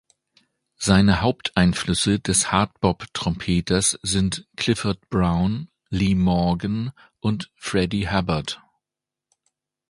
Seine Haupteinflüsse des Hardbop-Trompeters sind Clifford Brown, Lee Morgan und Freddie Hubbard.